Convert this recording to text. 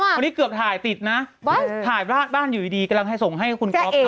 เผาวันนี้เกือบถ่ายติดนะถ่ายบ้านอยู่ดีกำลังส่งให้คุณกรอพถ่ายเอ๋